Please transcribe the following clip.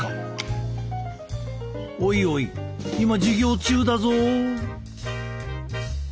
おいおい今授業中だぞ。